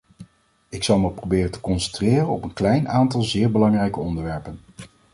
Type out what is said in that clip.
Ik zal me proberen te concentreren op een klein aantal zeer belangrijke onderwerpen.